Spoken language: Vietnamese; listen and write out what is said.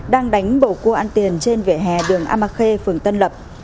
đang đánh bầu cua ăn tiền trên vỉa hè đường amakhe phường tân lập